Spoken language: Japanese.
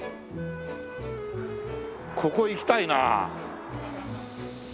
ここ行きたいなあうん。